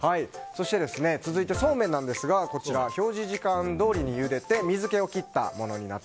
続いて、そうめんなんですが表示時間どおりにゆでて水気を切ったものです。